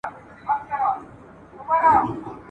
نه ملخ نه یې تر خوله خوږه دانه سوه !.